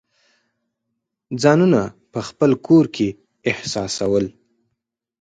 ځانونه په خپل کور کې احساسول.